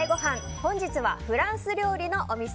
本日はフランス料理のお店